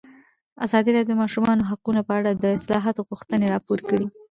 ازادي راډیو د د ماشومانو حقونه په اړه د اصلاحاتو غوښتنې راپور کړې.